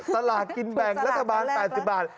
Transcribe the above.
ตลาดกินแบ่งรัฐบาล๘๐บาท